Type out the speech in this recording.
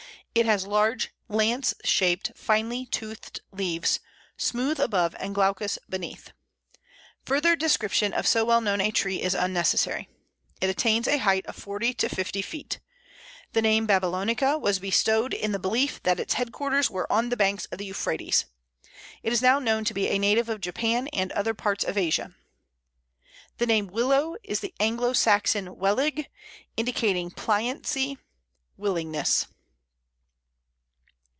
It has large, lance shaped, finely toothed leaves, smooth above and glaucous beneath. Further description of so well known a tree is unnecessary. It attains a height of forty to fifty feet. The name babylonica was bestowed in the belief that its headquarters were on the banks of the Euphrates. It is now known to be a native of Japan, and other parts of Asia. The name Willow is the Anglo Saxon welig, indicating pliancy, willingness.